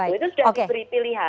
itu sudah diberi pilihan